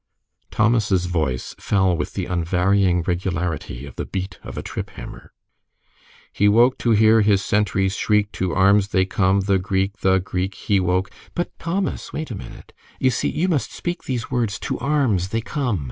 Thomas's voice fell with the unvarying regularity of the beat of a trip hammer. "He woke to hear his sentries shriek to arms they come the Greek the Greek he woke " "But, Thomas, wait a minute. You see you must speak these words, 'To arms! They come!'